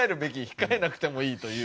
控えなくてもいい？という。